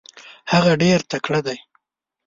هغه ډیر تکړه دی.